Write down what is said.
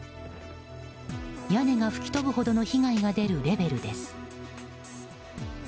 屋根が吹き飛ぶほどの被害が出るレベルです。